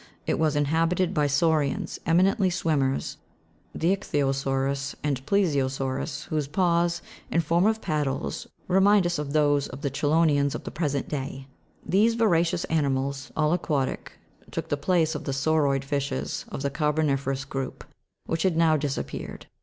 It was inhabited by saurians, eminently swimmers, the ich'thyo sau'rus and plei'siosau'rus, whose paws, in form of paddles, remind us of those of the chelonians of the present day ; these voracious animals, all aquatic, took the place of the sauroid fishes of the car boni'ferous group, which had now disappeared.